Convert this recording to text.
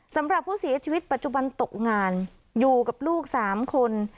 สำหรับผู้เสียชีวิตปัจจุบันตกงานอยู่กับลูก๓คน